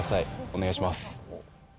お願いします。